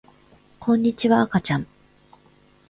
こんにちはあかちゃん